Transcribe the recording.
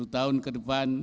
dua puluh tahun ke depan